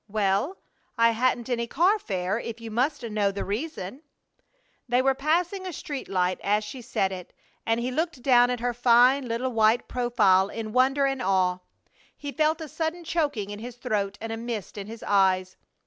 "Well, I hadn't any car fare, if you must know the reason." They were passing a street light as she said it, and he looked down at her fine little white profile in wonder and awe. He felt a sudden choking in his throat and a mist in his eyes.